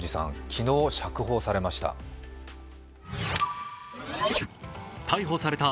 昨日釈放されました。